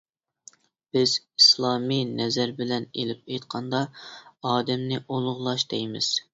بىز ئىسلامىي نەزەر بىلەن ئېلىپ ئېيتقاندا، ئادەمنى ئۇلۇغلاش دەيمىز.